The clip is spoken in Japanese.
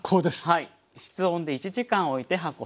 はい。